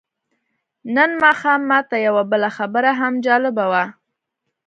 نن ماښام ماته یوه بله خبره هم جالبه وه.